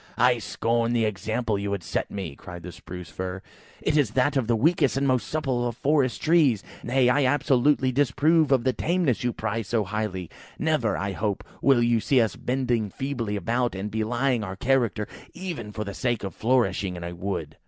"I scorn the example you would set me," cried the Spruce fir; "it is that of the weakest and most supple of forest trees. Nay, I absolutely disapprove of the tameness you prize so highly. Never, I hope, will you see us bending feebly about, and belying our character, even for the sake of flourishing in a wood!"